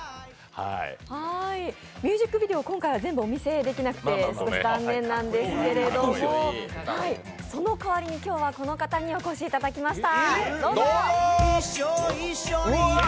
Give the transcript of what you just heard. ミュージックビデオ、今回は全部お見せできなくて残念なんですけどその代わりに今日はこの方にお越しいただきました。